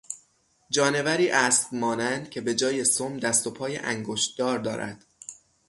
جانوری اسب مانند که به جای سم دست و پای انگشتدار دارد